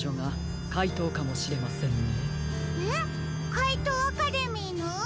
かいとうアカデミーの？